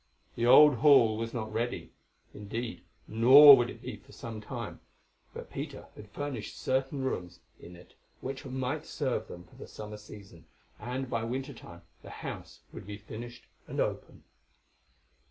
The Old Hall was not ready, indeed, nor would it be for some time; but Peter had furnished certain rooms in it which might serve them for the summer season, and by winter time the house would be finished and open.